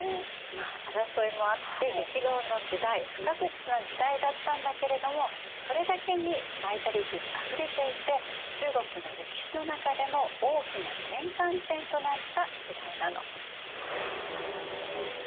まあ争いもあって激動の時代不確実な時代だったんだけれどもそれだけにバイタリティーにあふれていて中国の歴史の中でも大きな転換点となった時代なの。